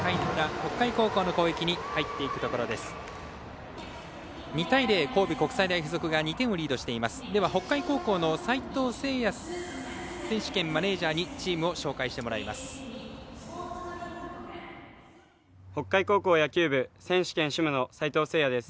北海高校の齊藤成隼選手兼マネージャーにチームを紹介してもらいます。